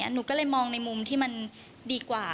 หนูก็เลยมองในมุมที่มันดีกว่า